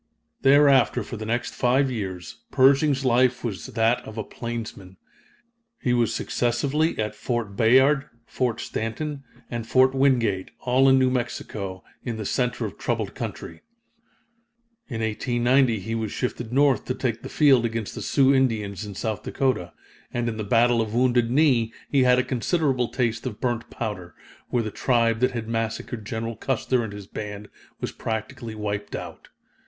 Thereafter, for the next five years, Pershing's life was that of a plainsman. He was successively at Fort Bayard, Fort Stanton, and Fort Wingate, all in New Mexico, in the center of troubled country. In 1890 he was shifted north to take the field against the Sioux Indians, in South Dakota, and in the Battle of Wounded Knee he had a considerable taste of burnt powder, where the tribe that had massacred General Custer and his band was practically wiped out.